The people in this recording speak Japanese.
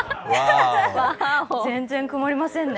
全然曇りませんね。